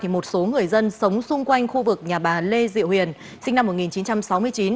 một số người dân sống xung quanh khu vực nhà bà lê diệu huyền sinh năm một nghìn chín trăm sáu mươi chín